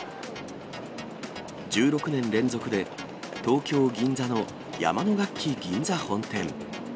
１６年連続で、東京・銀座の山野楽器銀座本店。